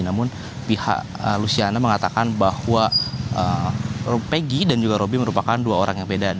namun pihak luciana mengatakan bahwa peggy dan juga roby merupakan dua orang yang beda